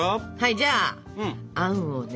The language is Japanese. じゃああんをね